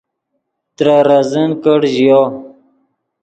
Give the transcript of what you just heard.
ترے ریزن کڑ ژیو